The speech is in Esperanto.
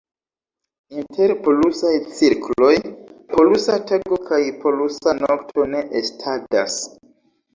Inter polusaj cirkloj polusa tago kaj polusa nokto ne estadas.